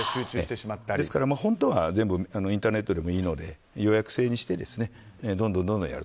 ですから本当はインターネットでもいいので予約制にして、どんどんやる。